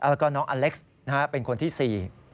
แล้วก็น้องอเล็กซ์เป็นคนที่๔